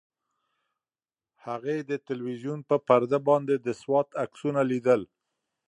هغې د تلویزیون په پرده باندې د سوات عکسونه لیدل.